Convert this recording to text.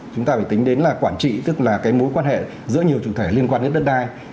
chúng ta phải tính đến là quản trị tức là cái mối quan hệ giữa nhiều chủ thể liên quan đến đất đai